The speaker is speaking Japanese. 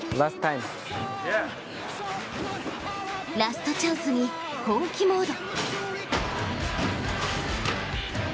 ラストチャンスに本気モード。